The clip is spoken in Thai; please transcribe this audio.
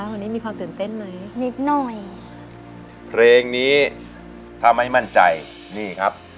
วันนี้มีความตื่นเต้นไหมนิดหน่อยเพลงนี้ถ้าไม่มั่นใจนี่ครับ